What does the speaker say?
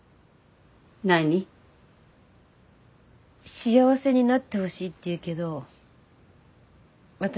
幸せになってほしいって言うけど私